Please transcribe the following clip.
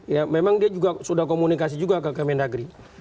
ya memang dia sudah komunikasi juga ke kementerian negeri